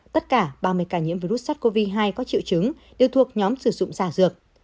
tất cả ba mươi ca nhiễm virus sars cov hai có triệu chứng đều thuộc nhóm sử dụng giả dược